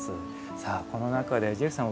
さあこの中でジェフさん